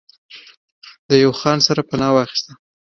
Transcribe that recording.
د يو خان سره پناه واخسته